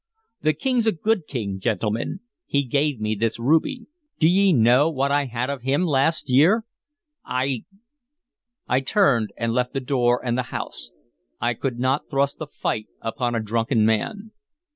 The King 's a good king, gentlemen! He gave me this ruby. D' ye know what I had of him last year? I" I turned and left the door and the house. I could not thrust a fight upon a drunken man.